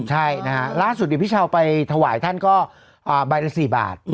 ใช่นะฮะล่าสุดพี่เช้าไปถวายท่านก็ใบละ๔บาท